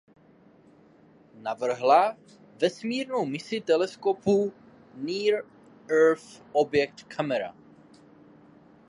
Navrhla vesmírnou misi teleskopu Near Earth Object Camera.